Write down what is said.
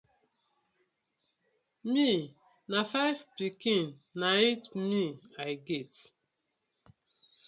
Mi na fiv pikin na it me I get.